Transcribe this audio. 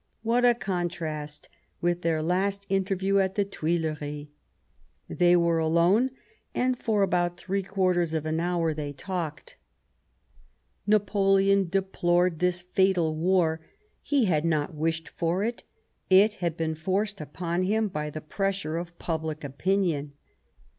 What a contrast with their last interview at the Tuileries ! They were alone, and for about three quarters of an hour they talked. 137 Bismarck Napoleon deplored this fatal war ; he had not wished for it ; it had been forced upon him by the pressure of public opinion.